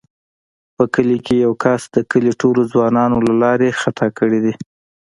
په کلي کې یوه کس د کلي ټوله ځوانان له لارې خطا کړي دي.